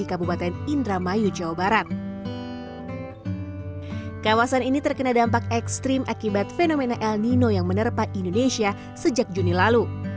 kawasan ini terkena dampak ekstrim akibat fenomena el nino yang menerpa indonesia sejak juni lalu